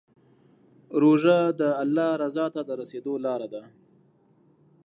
روژه د الله رضا ته د رسېدو لاره ده.